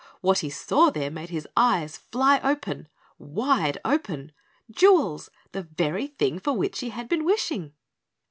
What he saw there made his eyes fly open wide open! Jewels! The very thing for which he had been wishing.